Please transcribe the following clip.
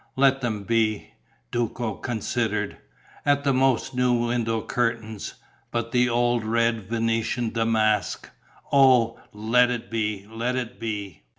"Let them be," Duco considered. "At the most, new window curtains; but the old red Venetian damask; oh, let it be, let it be!"